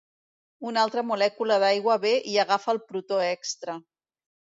Una altra molècula d'aigua ve i agafa el protó extra.